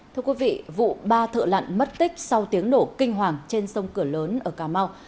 thưa quý vị vụ ba thợ lặn mất tích sau tiếng nổ kinh hoàng trên sông cửa lớn ở cà mau